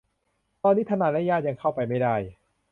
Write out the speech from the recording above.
ตอนนี้ทนายและญาติยังเข้าไปไม่ได้